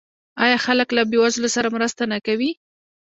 آیا خلک له بې وزلو سره مرسته نه کوي؟